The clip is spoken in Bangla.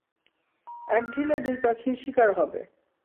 এক ঢিলে দুই পাখি শিকার হবে।